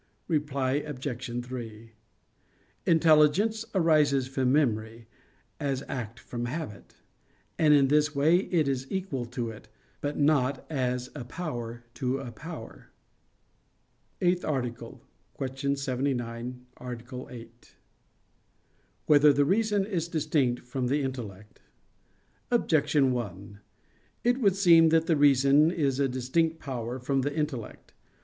Reply Obj. 3: Intelligence arises from memory, as act from habit; and in this way it is equal to it, but not as a power to a power. _______________________ EIGHTH ARTICLE [I, Q. 79, Art. 8] Whether the Reason Is Distinct from the Intellect? Objection 1: It would seem that the reason is a distinct power from the intellect.